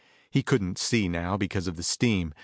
He couldn't see now, because of the steam.